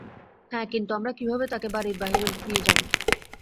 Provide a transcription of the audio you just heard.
হ্যাঁ, কিন্তু আমরা কিভাবে তাকে বাড়ির বাহিরে নিয়ে যাবো?